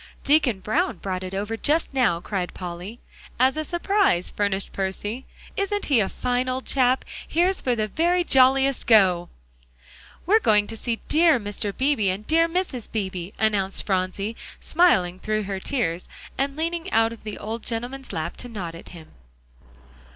"Deacon Brown brought it over just now," cried Polly. "As a surprise," furnished Percy. "Isn't he a fine old chap? Here's for the very jolliest go!" "We're going to see dear Mr. Beebe, and dear Mrs. Beebe," announced Phronsie, smiling through her tears, and leaning out of the old gentleman's lap to nod at him.